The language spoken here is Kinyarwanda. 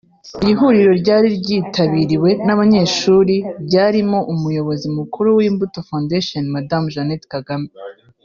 Iri huriro ryari ryitabiriwe n’abanyeshuri ryarimo Umuyobozi mukuru w’Imbuto Foundation Madame Jeannette Kagame